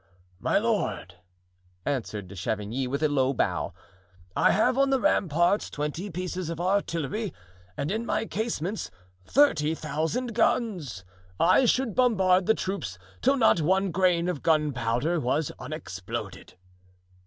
"My lord," answered De Chavigny, with a low bow, "I have on the ramparts twenty pieces of artillery and in my casemates thirty thousand guns. I should bombard the troops till not one grain of gunpowder was unexploded."